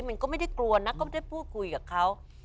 มันก็ไม่ได้กลัวนะก็ไม่ได้พูดคุยกับเขา